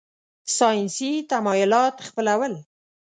ساینسي تمایلات خپلول.